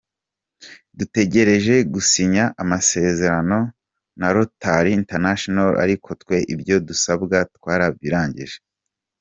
Dutegereje gusinya amasezerano na Rotary International ariko twe ibyo dusabwa twarabirangije.